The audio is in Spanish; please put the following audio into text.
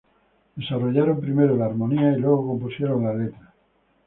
Desarrollaron primero la armonía y luego compusieron la letra.